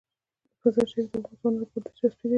مزارشریف د افغان ځوانانو لپاره دلچسپي لري.